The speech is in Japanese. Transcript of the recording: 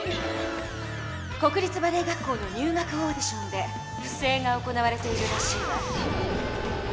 国立バレエ学校の入学オーディションで不正が行われているらしいわ。